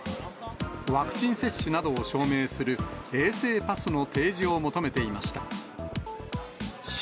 ワクチン接種などを証明する衛生パスの提示を求めていました。